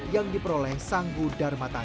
yang diperoleh sangguh darmatajah